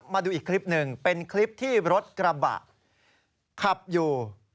มาดูอีกคลิปหนึ่งเป็นคลิปที่รถกระบะขับอยู่